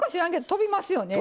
飛びますよね。